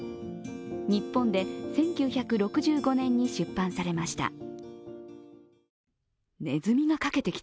日本で１９６５年に出版されました。